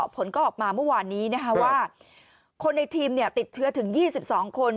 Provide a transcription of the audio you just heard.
ผลก็ออกมาเมื่อวานนี้ว่าคนในทีมติดเชื้อถึง๒๒คน